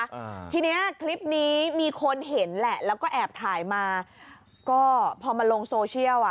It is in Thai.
อ่าทีเนี้ยคลิปนี้มีคนเห็นแหละแล้วก็แอบถ่ายมาก็พอมาลงโซเชียลอ่ะ